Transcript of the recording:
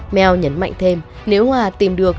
mel nhấn mạnh thêm nếu hòa tìm được